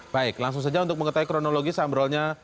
baik langsung saja untuk mengetahui kronologi sambrolnya